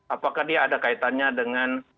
apakah dia ada kaitannya dengan